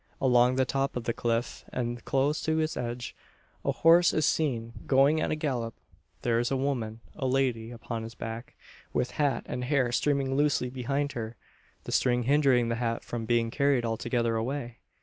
Along the top of the cliff, and close to its edge, a horse is seen, going at a gallop. There is a woman a lady upon his back, with hat and hair streaming loosely behind her the string hindering the hat from being carried altogether away!